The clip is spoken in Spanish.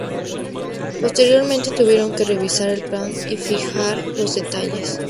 Posteriormente tuvieron que revisar el plan y fijar los detalles.